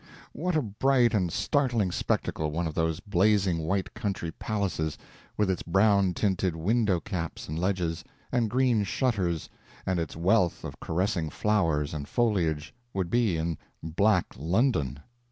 What a bright and startling spectacle one of those blazing white country palaces, with its brown tinted window caps and ledges, and green shutters, and its wealth of caressing flowers and foliage, would be in black London!